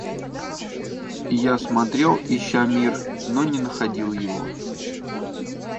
И я смотрел, ища мир, но не находил его.